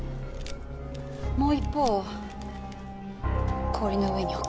もう一方を氷の上に置く。